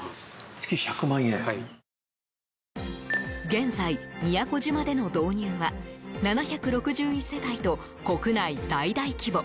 現在、宮古島での導入は７６１世帯と国内最大規模。